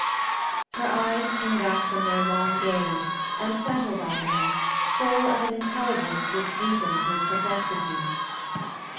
Her eyes came back from their long gaze and settled on him full of an intelligence which deepened his perplexity.